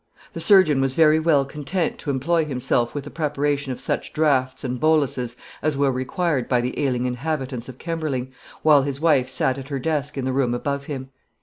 The surgeon was very well content to employ himself with the preparation of such draughts and boluses as were required by the ailing inhabitants of Kemberling, while his wife sat at her desk in the room above him.